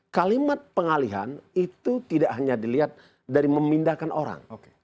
kalimat pengalihan itu tidak hanya dilihat dari memindahkan orang